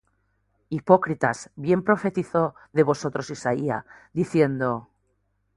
Hipócritas, bien profetizó de vosotros Isaías, diciendo: